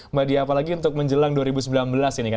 mbak dia apalagi untuk menjelang dua ribu sembilan belas ini kan